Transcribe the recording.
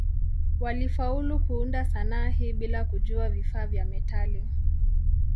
Walifaulu kuunda sanaa hii bila kujua vifaa vya metali.